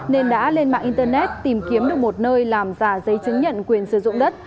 nên đã lên mạng internet tìm kiếm được một nơi làm giả giấy chứng nhận quyền sử dụng đất